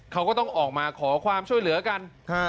เขาก็ต้องออกมาขอความช่วยเหลือกัน